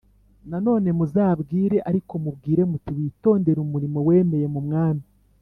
Nanone muzabwire Ariko mubwire muti witondere umurimo wemeye mu Mwami